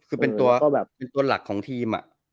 คือเป็นตัวหลักของทีมอะ